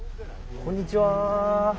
こんにちは。